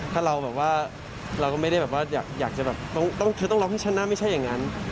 ถ้าเราก็ไม่ได้อยากจะแบบเธอต้องร้องให้ชั้นหน้าไม่ใช่อย่างนั้น